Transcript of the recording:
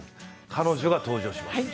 彼女が登場します。